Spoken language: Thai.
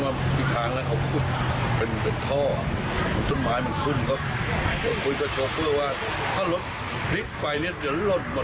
หรือว่าได้สักสิบหน่อยก็เอาใจเย็นก็ค่อยออก